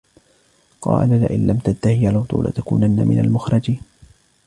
قالوا لئن لم تنته يا لوط لتكونن من المخرجين